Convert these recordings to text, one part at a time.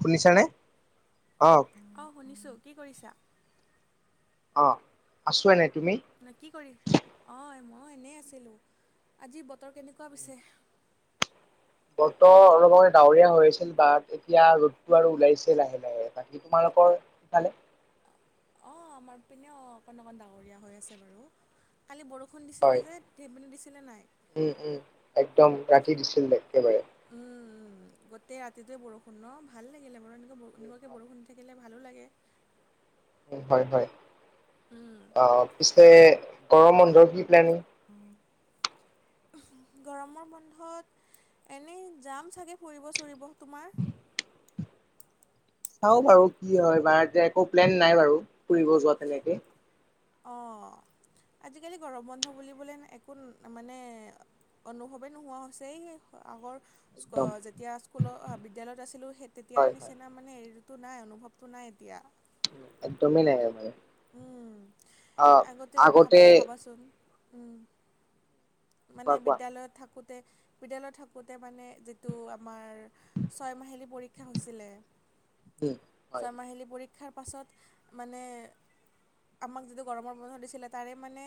শুনিছা নে অ', অ', শুনিছো কি কৰিছা। অ', আছোঁ এনে তুমি নে কি কৰি অ', মই এনেই আছিলোঁ আজি বতৰ কেনেকুৱা পিছে বতৰ অলপ আগতে ডাৱৰীয়া হৈ আছিল বাট এতিয়া ৰ'দটো আৰু ওলাইছে লাহে লাহে তাত তোমালোকৰ সেফালে অঁ আমাৰ পিনে অকণ অকণ ডাঙৰীয়া হৈ আছে বাৰু কালি বৰষুণ দিছিলে হয় যে সেপিনে দিছিলে নাই। উম উম একদম ৰাতি দিছিল দে একেবাৰে উম গোটেই ৰাতিটোয়ে বৰষুণ ন ভাল লাগিলে বাৰু এনে কোৱাকে বৰষুণ থাকিলে, ভালো লাগে। হয় হয় উম, অ পিছে গৰম বন্ধৰ কি প্লেন, হয়। গৰমৰ বন্ধত এনেই জাম চাগে ফুৰিব চুৰিব তোমাৰ। চাওঁ বাৰু কি হয়া এতিয়া একো প্লেন নাই বাৰু ফুৰিব যোৱা তেনেকে, অ আজিকালি গৰম বন্ধ বুলিবলৈ একো মানে, অনুভৱেই নোহোৱা হৈছে এই আগৰ, একদম যেতিয়া স্কুলৰ বিদ্যালয়ত আছিলো স তেতিয়াৰ হয়, হয়। নিচিনা মানে। মানে এইটো নাই অনুভৱটো নাই এতিয়া। এক দমেই নাই আৰু উম আগতে ভাব ভাবাচোন উম, মানে কোৱা কোৱা বিদ্যালয়ত থাকোঁতে বিদ্যালয়ত থাকোতে মানে যিটো আমাৰ, ছয় মাহিলী পৰীক্ষা হৈছিলে উম, হয়, ছয় মাহিলী পৰীক্ষা ক্ষাৰ পাছত মানে, আমাক যিটো গৰমৰ বন্ধ দিছিলে তাৰে মানে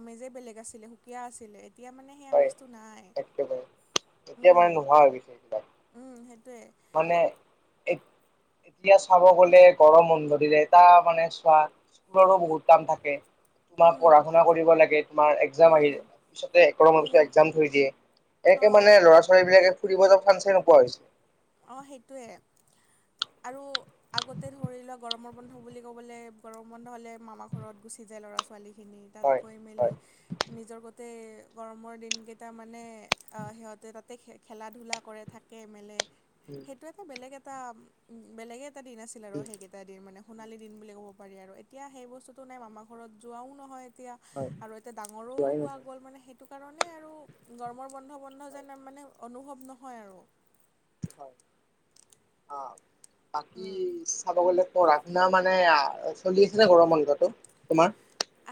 আমেজে বেলেগ আছিলে সুকীয়া আছিলে এতিয়া মানে, সেই হয় আমিচটো নাই একেবাৰে এতিয়া মানে উম নোহোৱা হৈ গৈছে এইবিলাক। উম সেইটোৱে, মানে এক, এতিয়া চাব গলে গৰম বন্ধ দিলে তা মানে চোৱা স্কুলো বহুত, কাম থাকে তোমাৰ উম পঢ়া শুনা কৰিব লাগে তোমাৰ এক্সাম আহি, উম পিছতে একৰ উম মানে এক্সাম ধৰি দিয়ে এনেকে অঁ মানে ল'ৰা ছোৱালীবিলাকে ফুৰিব যাব চাঞ্চে নোপোৱা হৈছে। অ সেইটোৱে আৰু আগতে ধৰি লোৱা গৰমৰ বন্ধ বুলি ক'বলৈ গৰমৰ বন্ধ হ'লে মামা ঘৰত গুচি যায় ল'ৰা ছোৱালীখিনি। তাত হয় গৈ হয় মেলি। নিজৰ গোটেই গৰমৰ দিনকেইটা মানে সিহঁতে তাতে খ খেলা ধূলা কৰে থাকে, তে মেলে উম সেইটো এটা বেলেগ এটা বেলেগে এটা দিন আছিল আৰু উম। সেইকেই এটা দিন মানে উম সোণালী দিন বুলি ক'ব পাৰি আৰু এতিয়া সেই বস্তুটো নাই মামাৰ ঘৰত যোৱাও নহয় এতিয়া। হয় আৰু এতিয়া ডাঙৰো যোৱাই হোৱা নহয় গ'ল মানে সেইটো কাৰণে আৰু গৰমৰ বন্ধ বন্ধ হয় যেন মানে, অনুভৱ নহয় আৰু হয়। অ বাকী চাব গলে, অ ৰান্ধনা মানে চলি আছিলে গৰম বন্ধটো তোমাৰ,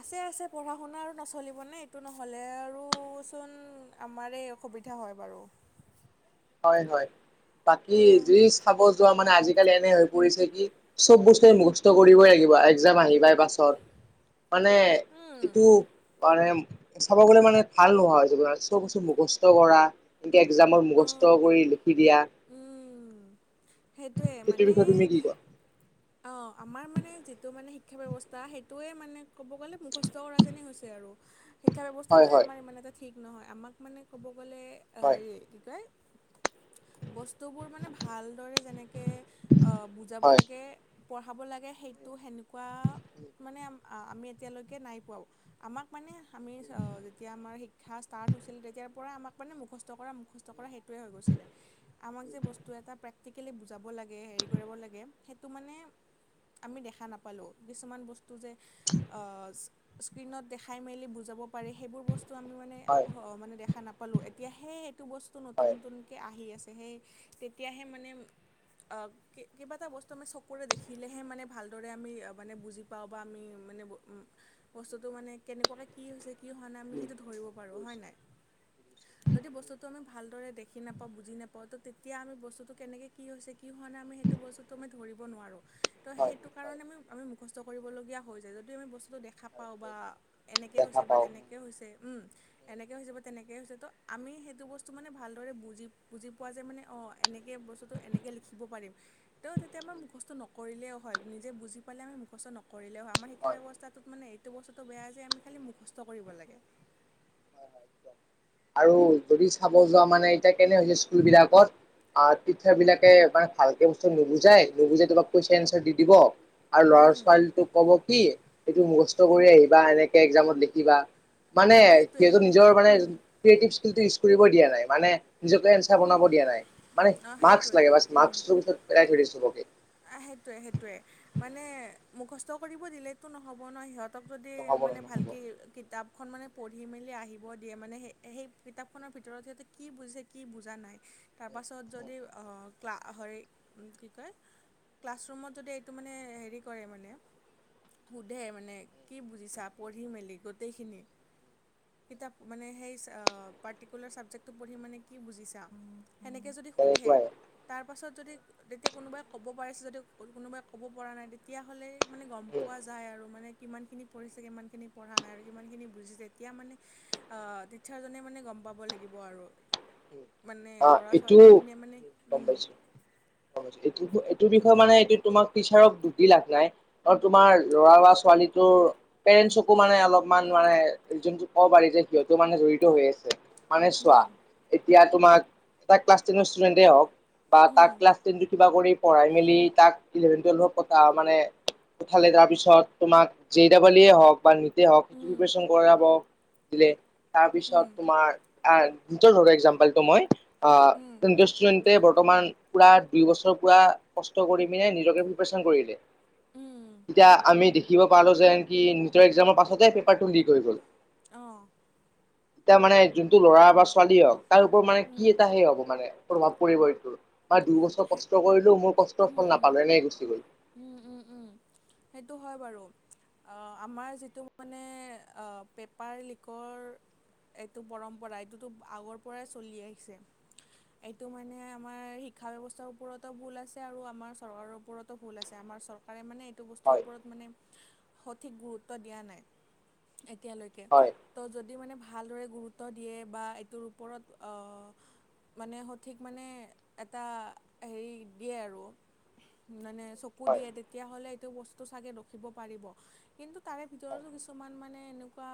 আছে আছে পঢ়া শুনা আৰু নচলিবনে এইটো নহ'লে আৰু চোন। আমাৰেই অসুবিধা হয় বাৰু হয় হয় বাকী উম যি চাব যোৱা মানে আজিকালি এনে হৈ পৰিছে কি। চব বস্তুৱে মুখস্ত কৰিবই লাগিব এক্সজাম আহি পাই। বাছত মানে উম এইটো মানে, চাব গলে মানে ভাল নোহোৱা হয় চব বস্তু মুখস্থ কৰা যে এক্সজামৰ মুখস্থ অঁ কৰি লিখি দিয়া। উম সেইটোৱে সেইটো বিষয়ে তুমি কি কোৱা। অ আমাৰ মানে যিটো মানে শিক্ষা ব্যৱস্থা সেইটোৱে মানে ক'ব গ'লে মুখস্থ কৰা যেনেই হৈছে আৰু শিক্ষা হয় ব্যৱস্থাটোৱে হয় আমাৰ ইমান এটা ঠিক নহয় আমাক মানে ক'ব গ'লে হয় সেই, কি কয় বস্তুবোৰ মানে ভালদৰে যেনেকে। বুজাব হয় হয় লাগে পঢ়াব লাগে সেইটো সেনেকুৱা। মানে আমি এতিয়ালৈকে নাই পোৱাওঁ আমাক মানে আমি যেতিয়া আমাৰ ঠা ষ্টাৰ্ট হৈছিলে তেতিয়াৰ পৰাই আমাক মানে মুখস্থ কৰা মুখস্থ কৰা সেইটোৱে হৈ গৈছিলে। আমাক যে বস্তু এটা প্ৰেক্টিকেলি বুজাব লাগে, হেৰি কৰিব লাগে সেইটো মানে আমি দেখা নাপালোঁ কিছুমান বস্তু যে স্ক্ৰীণত দেখাই মেলি বুজাব পাৰে সেইবোৰ বস্তু এইটো আমি মানে হয় অ' মানে দেখা নাপালো এতিয়া হে সেইটো বস্তু নতুন নতুন আহি আছে, সেই তেতিয়াহে মানে অ' কিবা এটা বস্তু আমি চকু ওপৰলৈ দেখিলেহে মানে ভালদৰে আমি মানে বুজি পাওঁ বা আমি মানে বস্তুটো মানে কেনেকুৱাকে কি হৈছে, কি হোৱা নাই, আমি সেইটো ধৰিব পাৰো হয় নাই। যদি বস্তুটো আমি ভালদৰে দেখি নাপাওঁ বুজি নাপাওঁ ত' তেতিয়া আমি বস্তুটো কেনেকে কি হৈছে কি হোৱা নাই আমি সেইটো বস্তুটো ধৰি ধৰিবৰ নোৱাৰু হয় ত'সেইতো হয় কাৰনে আমি আমি মুখস্থ কৰিব'লগীয়া হৈ যায়। যদি বস্তু দেখা দেখা পাওঁ বা হয় এনেকৈ দেখা হৈছে বা পাওঁ তেনেকৈ হয় হৈছে উম। এনেকৈ হৈ যাব, তেনেকৈ হৈছে ত' আমি সেইটো, বস্তু মানে ভালদৰে বুজি বুজি পোৱা যায় মানে অ' এনেকৈ বস্তু এনেকে লিখিব পাৰিম ত' তেতিয়া মই মুখস্থ নকৰিলেও হয়, নিজে বুজি পালে আমি মুখস্থ নকৰিলেও হয়, আমাৰ শিক্ষা ব্যৱস্থাটোত মানে সেইটো বস্তুটো বেয়া যে আমি খালি মুখস্থ কৰিব লাগে। হয় একদম আৰু যদি চাব যোৱা মানে এতিয়া, কেনে হৈছে স্কুল বিলাকত। অ' টিচাৰ বিলাকে মানে ভালকে বস্তু নুবুজাই, নুবুজাই তোমাক কুৱেশন এনাচাৰ দি দিব। আৰু ল'ৰা ছোৱালীটোক ক'ব কি, এইটো মুখস্থ কৰি আহিবা এনেকে এক্জামত লিখিবা। মানে সেইটোৱে সিহটো নিজৰ মানে ক্ৰিয়েটিভ স্কটো ইউজ কৰিব দিয়া নাই মানে নিজকে এঞ্চাৰ বনাব দিয়া নাই মানে, অ মাক্স সেইটোৱে লাগে বাছ মাক্সটোৰ পিছত পেলাই থৈ দিয়ে চ'বকে। আহ সেইটোৱে সেইটোৱে মানে মুখস্থ কৰিব দিলেতো নহ'ব ন সিহঁত সিহঁতক যদি নহ'ব নহয় মানে ভালক নহ'ব কিতাপ খন মানে পঢ়ি মেলি আহিব দিয়ে, মানে সেই সেই কিতাপখনৰ ভিতৰত সিহঁতে কি বুজিছে কি বুজা নাই। তাৰপাছত যদি ক্লা হ কি কয় ক্লাছৰুমত যদি এইটো মানে হেৰি কৰে মানে সোধে মানে কি বুজিছা পঢ়ি মেলি গোটেইখিনি। কিতাপ মানে সেই পাৰ্টিকুলাৰ ছাবজেক্টটো পঢ়ি মানে কি বুজিছা। সেনেকৈ যদি সোধে তেনেকুৱাই তাৰ পাছত যদি তেতিয়া কোনোবাই ক'ব পাৰিছে যদি কোনোবাই ক'ব পৰা নাই তেতিয়াহ'লে মানে গম পোৱা যায় আৰু মানে কিমানখিনি পঢ়িছে কিমানখিনি পঢ়া নাই আৰু কিমানখিনি বুজিছে তেতিয়া মানে অ' চাৰ জনেমানে গম পাব লাগিব আৰু। হয় [inaudible] মানে ল'ৰা ছোৱালীখিনিয়ে মানে উম। অ' এইটো এইটো বিষয়ে মানে এইটো তোমাক টিচাৰক খুধি লাভ নাই। আৰু তোমাৰ ল'ৰা বা ছোৱালীটোৰ পেৰেন্টচকো মানে অলপ। ইমান মানে যোনটো ক'ব পাৰি যে সিহঁতো মানে জড়িত হৈ আছে মানে চোৱা। এতিয়া তোমাক এটা ক্লাছ টেনৰ ষ্টুডেণ্টেই হওক বা উম তাক ক্লাছ টেনটো কিবা কৰি পঢ়াই মেলি তাক ইলেভেন টুৱেল্ভত কথা মানে ইফালে তাৰ পিছত তোমাক জে ডাবলিয়ে হওক বা হওক প্ৰিপচন কৰাব দিলে তাৰপিছত উম তোমাৰ আ নিজৰ জাম পালেটো মই অ' উম কনদিচন তে বৰ্তমান পুৰা দুই বছৰ পুৰা কষ্ট কৰি পিনে নিজকে প্ৰিপচন কৰিলে। উম উম তেতিয়া আমি দেখিব পালো যেন, কি নিজৰ এক্জামৰ পাছতে পেপাৰটো লিক হৈ গ'ল। অ' এতিয়া মানে যোনটো ল'ৰা বা ছোৱালী হওক। তাৰ ওপৰত মানে উম কি এটা সে হ'ব মানে, প্ৰভাৱ পৰিব এইটোৰ? তাৰ দুইবছৰ কষ্ট কৰিলোঁ, মোৰ কষ্টৰ ফল নাপালে এনেই গুচি গ'ল', হুম', - উম', - উম', সেইটো হয় বাৰু', আহ', আমাৰ যিটো মানে আহ', পেপাৰ লিকৰ', এইটো পৰম্পৰা, এইটোতো আগৰ পৰাই চলি আহিছে', এইটো মানে আমাৰ শিক্ষা ব্যৱস্থাৰ ওপৰতো ভুল আছে আৰু আমাৰ চৰকাৰৰ ওপৰতো ভুল আছে আমাৰ চৰক', তাৰে মানে এতি', সেইটো বস্তুৰ হয় ওপৰত মানে হাআ', সঠিক গুৰুত্ব দিয়া নাই, এতিয়ালৈকে হয় হাআ', তো যদি মানে ভালদৰে গুৰুত্ব দিয়ে বা এইটোৰ ওপৰত অহহহহ', মানে সঠিক মানে এটা হেৰি দিয়ে আৰু মানে', চকু হয়। হয় দিয়ে তেতিয়াহ'লে এইটো বস্তু চাগে ৰখিব পাৰিব', কিন্তু তাৰে ভিতৰতো কিছুমান মানে এনেকুৱা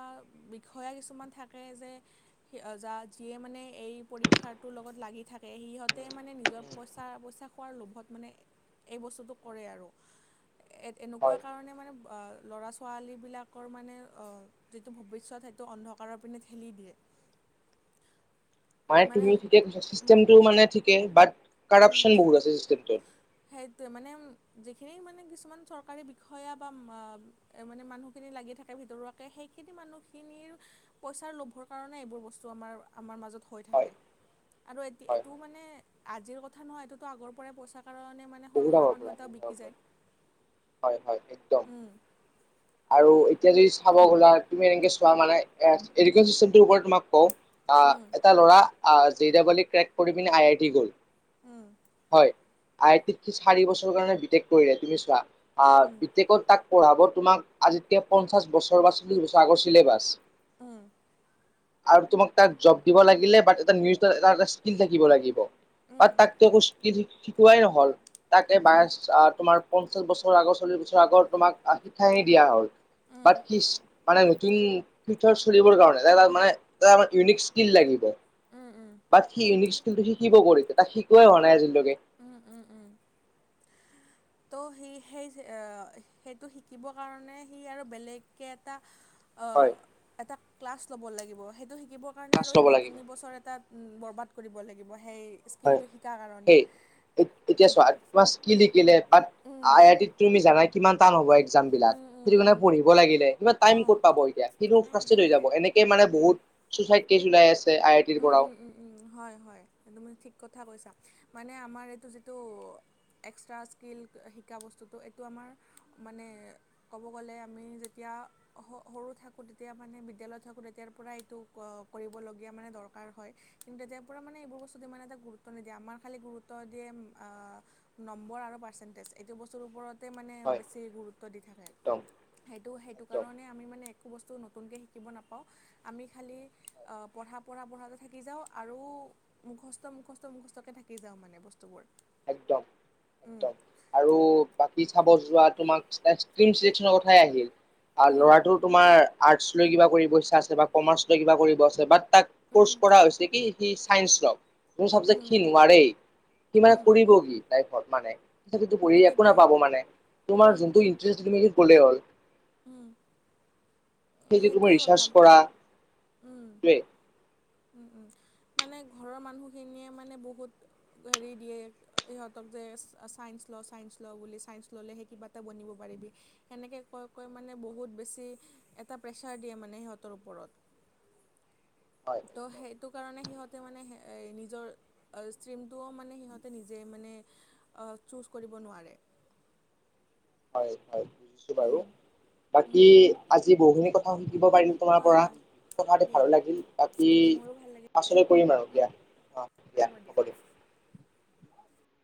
বিষয়া কিছুমান থাকে যে', কি', - অ', -যা', - যিয়ে মানে এই পৰীক্ষাটোৰ লগত লাগি থাকে সিহঁতে মানে নিজৰ', পইচা - পইচা খোৱাৰ লোভত মানে, এই বস্তুটো কৰে আৰু', এ', -এনে', -এনেকুৱা হয় কাৰণে মানে ব', -আহ', ল'ৰা - ছোৱা', ছোৱালীবিলাকৰ মানে অহ', যিটো ভৱিষ্যত সেইটো অন্ধকাৰৰ পিনে ঠেলি দিয়ে', [unintelligible] হয় মানে তুমি ঠিকে কৈছা, উম, চিষ্টেমটো মানে ঠিকে বাট, উম, কাৰাপচন বহুত আছে চিষ্টেমটোত', সেইটোৱে মানে উম', যেখিনি মানে কিছু', কিছুমান চৰকাৰী বিষয়া বা উম', - মা', - উম', - এ মানে মানুহখিনি লাগিয়ে থাকে ভিতৰুৱাকে সেইখিনি মানুহখিনিৰ', পইচাৰ লোভৰ কাৰণে এইবোৰ বস্তু আমাৰ-আমাৰ মাজত হৈ হয় থাকে', আৰু এতি', - হয় এইটো হয় মানে, আজিৰ কথা নহয় এইটোতো আগৰ পৰাই পইচা কাৰণে মানে', মানে বহুত সুৰু-সোৰা আগৰ পৰা মানুহ এইটাও বহুত আগৰ বিকি পৰা যায়', হয় - হয়, একদম', উম, আৰু এতিয়া যদি চাব গ'লা, তুমি এনকে চোৱা মানে, এ', - এডুকেশন চিষ্টেমটোৰ ওপৰত তোমাক কওঁ', অ', উম, এটা ল'ৰা অ', জি ডাবল ই ক্ৰেক কৰি পিনে আই আই টি গ'ল', উম, হয়, আই টিত সি চাৰি বছৰৰ কাৰণে বিটেক কৰিলে তুমি চোৱা', অ', উম, বি টেকত তাক পঢ়াব তোমাক, আজিতকে পঞ্চাছ বছৰ বা চল্লিছ বছৰ আগৰ ছিলেবাছ', হোম', আৰু তোমাক তাত জব দিব লাগিলে বাট তাত নিজৰ এটা - এটা স্কিল্ল থাকিব লাগিব', তাত উম, তাক তো একো স্কিল্ল শিক', - শিকোৱাই নহ'ল তাকে বায়েচ অ', তোমাৰ পঞ্চাশ বছৰ', বছৰ আগৰ চল্লিশ বছৰ আগৰ তোমাক আহ', শিক্ষা হে দিয়া হ'ল, উম। তাত সি', মানে নতুন, ফিচাৰ্চ চলিবৰ কাৰণে যাৰ- যাৰ মানে, তাৰ মানে ইউনিক স্কিল্ল লাগিব', উম', - উম', বাট সি ইউনিক স্কিলটো শিকিব ক'ত এতিয়া, তাক শিকোৱাই হোৱা নাই আজিলৈকে', উম', - উম', - উম', ত' সি সেই যে অহ', সেইটো শিকিবৰ কাৰণে সি আৰু বেলেগকে এটা', অহ', হয় এটা ক্লাছ ল'ব লাগিব, সেইটো শিকিবৰ কাৰণে ক্লাছ আৰু সেই ল'ব দুই - লাগিব তিনি বছৰ এটাত', উম', বৰবাদ কৰিব লাগিব সেই', হয়, স্কিলটো শিকাৰ কাৰণে। সেই, এত', -এতিয়া চোৱা আঠ মাস', কি শিকিলে বাট, উম, আই আই টিত তুমি জানাই', - কিমান টান হ'ব একজামবিলাক, উম, উম, সেইটো কাৰণে উম, পঢ়িব লাগিলে ইমান টাইম ক'ত অ', পাব এতিয়া', সেইটোৰ অ', ফ্ৰাষ্ট্ৰেটেড হৈ সেইটোৱে। যাব এনেকে মানে বহুত, চুচাইড কেছ ওলাই আছে', আই আই টিৰ উম', পৰাও -উম', -উম', -উম', হয় - হয় তুমি ঠিক কথা কৈছা মানে আমাৰ এইটো যিটো', এক্সট্ৰা স্কিল শিকা বস্তুটো এইটো আমাৰ মানে। ক'ব গ'লে আমি যেতিয়া। সৰু থাকো তেতিয়া মানে বিদ্যালয়ত থাকো, তেতিয়াৰ পৰা এইটো কৰিবলগীয়া মানে। দৰকাৰ হয়। কিন্তু তেতিয়াৰ পৰা মানে এইবোৰ বস্তুত ইমান এটা গুৰুত্ব নিদিয়ে আমাৰ খালি গুৰুত্ব দিয়ে আহ। নম্বৰ আৰু পাৰ্চেণ্টেজ এইটো বস্তুৰ ওপৰতে মানে হয় বেছি গুৰুত্ব দি থাকে। একদম সেইটো- সেইটো একদম কাৰণে আমি মানে একো বস্তু নতুনকৈ শিকিব নাপাওঁ। আমি খালি পঢ়া। পঢ়া - বঢ়াতে থাকি যাওঁ আৰু মুখস্থ মুখস্থ মুখস্থকৈ থাকি যাওঁ মানে বস্তুবোৰ। একদম। উম, একদম আৰু বাকী চাব যোৱা তোমাক ষ্টনৰ কথাই আহিল। উম, ল'ৰাটো তোমাৰ আৰ্টচ লৈ কিবা কৰিব ইচ্ছা আছে বা কমাৰ্চ লৈ কিবা কৰিব আছে বাট। তাক উম, ক'ৰ্চ কৰা হৈছে কি সি চাইন্স লক। কোন চাবজেক্ট উম, সি নোৱাৰেই সি মানে উম, কৰিব কি লাইফত মানে। পঢ়ি একো সেইটোৱে নাপাব মানে, তোমাৰ উম, যোনটো ইটাৰেষ্ট তুমি গ'লে হ'ল। উম। সেই যে তুমি সেইটোৱে কথা ৰিচাৰ্চ উম, কৰাটোৱে। মানে ঘৰৰ মানুহখিনিয়ে মানে বহুত হেৰি দিয়ে। সিহঁতক যে ছাইন্স লওঁ ছাইস লওঁ বুলি ছায়ন্ঞ্চ ল'লেহেই কিবা এটা বনিব পাৰিবি। সেনেকে কয় -কয় মানে বহুত বেছি এটা প্ৰেছাৰ দিয়ে মানে সিহঁতৰ ওপৰত। হয় ত' সেইটো। একদম সেইটো কাৰণে সিহঁতে মানে নিজৰ ষ্ট্ৰীমটোও মানে সিহঁতে নিজে মানে। চুজ কৰিব নোৱাৰে। হয় হয়, বুজিছো বাৰু উম, বাকী উম। আজি বহুখিনি কথাও শিকিব পাৰিম। তোমাৰ হয়, পৰা, হয় কথা পাতি দিয়া। ভালো লাগিল বাকী। মোৰো ভাল লাগিলে। পাচলৈ কৰিম আৰু উম। দিয়া অ' দিয়া হ'ব দিয়া।